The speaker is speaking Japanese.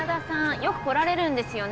よく来られるんですよね